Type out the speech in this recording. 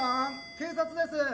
警察です！